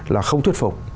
là không thuyết phục